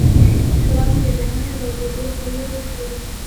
پړانګ د غږونو د اورېدو قوي حس لري.